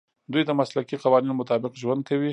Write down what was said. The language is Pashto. دوی د مسلکي قوانینو مطابق ژوند کوي.